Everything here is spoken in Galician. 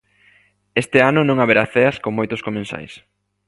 Este ano non haberá ceas con moitos comensais.